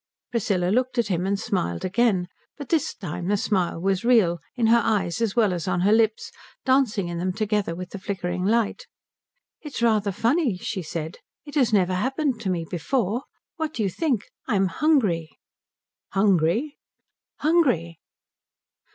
Priscilla looked at him and smiled again, but this time the smile was real, in her eyes as well as on her lips, dancing in them together with the flickering firelight. "It's rather funny," she said. "It has never happened to me before. What do you think? I'm hungry." "Hungry?" "Hungry."